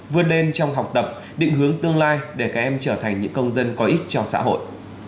vươn lên trong học tập định hướng tương lai để các em trở thành những công dân có ích cho xã hội